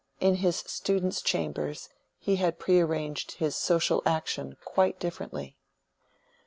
In his student's chambers, he had prearranged his social action quite differently.